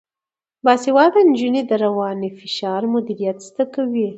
باسواده نجونې د رواني فشار مدیریت زده کوي.